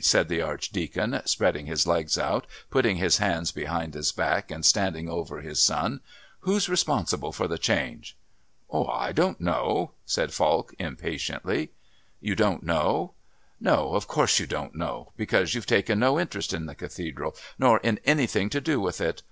said the Archdeacon, spreading his legs out, putting his hands behind his back and standing over his son. "Who's responsible for the change?" "Oh, I don't know!" said Falk impatiently. "You don't know? No, of course you don't know, because you've taken no interest in the Cathedral nor in anything to do with it.